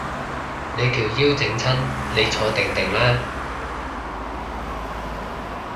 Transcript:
你條腰整親，你坐定定啦